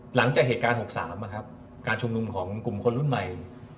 หลังจากเหตุการณ์๖๓การชุมนุมของกลุ่มคนรุ่นใหม่